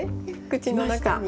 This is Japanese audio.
口の中に。